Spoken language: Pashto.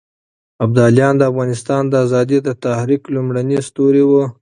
ابداليان د افغانستان د ازادۍ د تحريک لومړني ستوري وو.